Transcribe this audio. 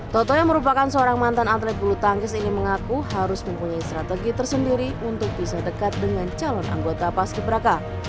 toto yang merupakan seorang mantan atlet bulu tangkis ini mengaku harus mempunyai strategi tersendiri untuk bisa dekat dengan calon anggota paski beraka